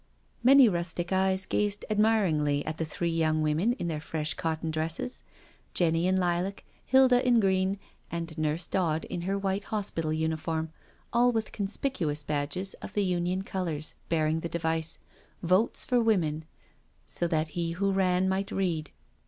Many rustic eyes gazed admiringly at the three young women in their fresh cotton dresses — Jenny in lilac, Hilda in green, and Nurse Dodds in her white hospital uniform, all with conspicuous badges of the Union colours, bearing the device, " Votes for Women," so that he who ran might read.